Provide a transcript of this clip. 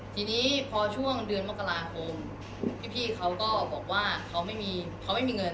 ทีนี้พอช่วงเดือนมกราคมพี่เขาก็บอกว่าเขาไม่มีเงิน